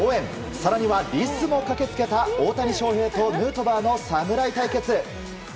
更にはリスも駆け付けた大谷翔平とヌートバーの侍対決。